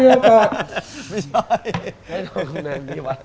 ไม่ใช่